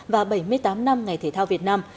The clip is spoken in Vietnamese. và bảy mươi tám năm ngày thể thao việt nam